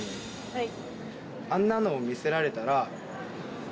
はい。